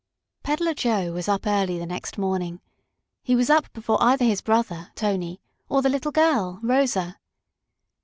Peddler Joe was up early the next morning. He was up before either his brother, Tony, or the little girl, Rosa.